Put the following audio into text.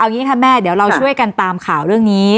อย่างนี้ค่ะแม่เดี๋ยวเราช่วยกันตามข่าวเรื่องนี้